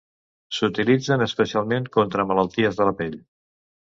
S'utilitzen especialment contra malalties de la pell.